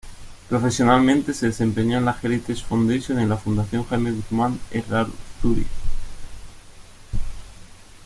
Profesionalmente, se desempeñó en la Heritage Foundation y en la Fundación Jaime Guzmán Errázuriz.